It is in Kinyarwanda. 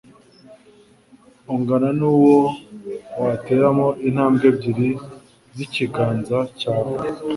ungana n'uwo wateramo intambwe ebyiri z'ikiganza cyawe.